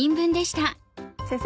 先生